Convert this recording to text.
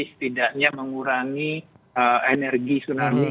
setidaknya mengurangi energi tsunami